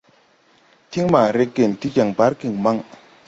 Tiŋ ma regen ti jɛŋ bargiŋ maŋ.